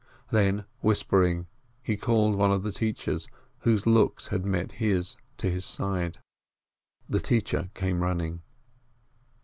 Then, whispering, he called one of the teachers, whose looks had met his, to his side. The teacher came running.